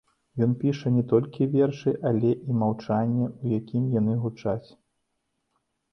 Ён піша не толькі вершы, але і маўчанне, у якім яны гучаць.